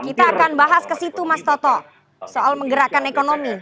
kita akan bahas ke situ mas toto soal menggerakkan ekonomi